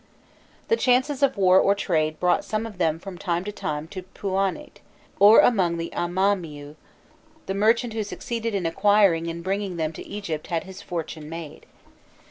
The chances of war or trade brought some of them from time to time to Pûanît, or among the Amamiû: the merchant who succeeded in acquiring and bringing them to Egypt had his fortune made.